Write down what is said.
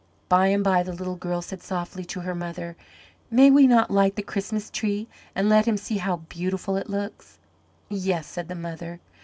By and by the little girl said softly, to her mother, "May we not light the Christmas tree, and let him see how beautiful it looks?" "Yes," said the mother.